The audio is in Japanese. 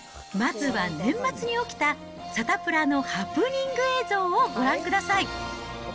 まずは年末に起きた、サタプラのハプニング映像をご覧ください。